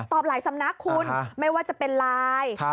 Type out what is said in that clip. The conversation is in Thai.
หลายสำนักคุณไม่ว่าจะเป็นไลน์